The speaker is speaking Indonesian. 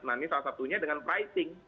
nah ini salah satunya dengan pricing